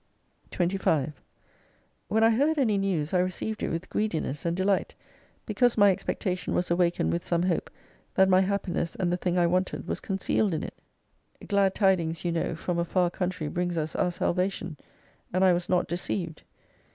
176 25 When I heard any news I received it with greediness and delight, because my expectation was awakened with some hope that my happiness and the thing I wanted was concealed in it. Glad tidings, you know from a far country brings us our salvation : and I was not deceived.